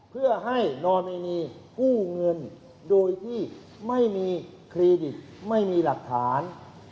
เพื่อให้นอเมนีกู้เงินโดยที่ไม่มีเครดิตไม่มีหลักฐาน